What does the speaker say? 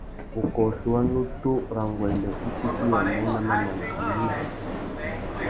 Wukôchi wa nutu râ nguêndê i tifiyamú nà mamana a mú nà ibômô.